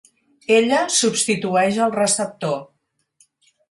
Ella substitueix el receptor.